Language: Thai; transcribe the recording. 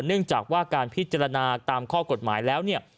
เนื่องจากว่าการพิจารณาตามข้อกฎหมายแล้วเนี่ย